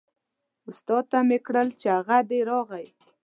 استاد ته مې کړل چې هغه دی راغی.